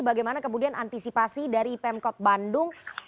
bagaimana kemudian antisipasi dari pemkot bandung